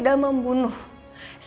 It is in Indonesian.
tuh aku diperhentikan dia